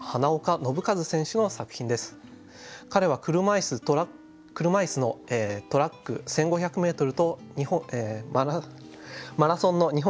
彼は車いすのトラック１５００ｍとマラソンの日本記録を樹立しています。